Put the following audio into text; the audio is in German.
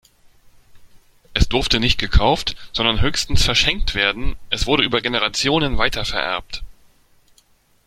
Es durfte nicht gekauft, sondern höchstens verschenkt werden, es wurde über Generationen weitervererbt.